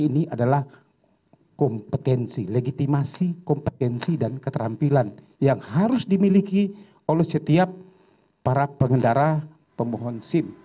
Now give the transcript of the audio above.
ini adalah kompetensi legitimasi kompetensi dan keterampilan yang harus dimiliki oleh setiap para pengendara pemohon sim